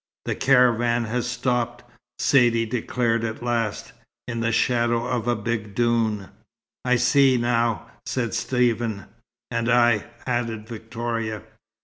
"The caravan has stopped," Saidee declared at last. "In the shadow of a big dune." "I see, now," said Stephen. "And I," added Victoria.